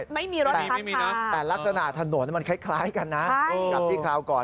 ไม่มีรถค้างคาแต่ลักษณะถนนมันคล้ายกันนะนะครับที่คราวก่อน